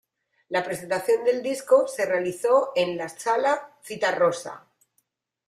La presentación del disco se realizó en la Sala Zitarrosa.